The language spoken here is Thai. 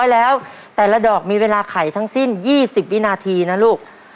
แล้วแต่ละดอกมีเวลาไขทั้งสิ้น๒๐วินาทีนะลูก